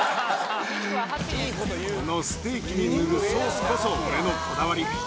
このステーキに塗るソースこそ、俺のこだわり。